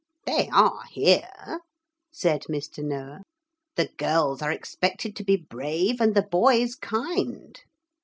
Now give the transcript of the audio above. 'They are, here,' said Mr. Noah, 'the girls are expected to be brave and the boys kind.'